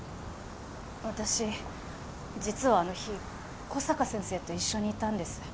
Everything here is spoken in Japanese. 私実はあの日小坂先生と一緒にいたんです。